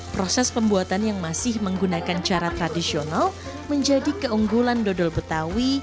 proses pembuatan yang masih menggunakan cara tradisional menjadi keunggulan dodol betawi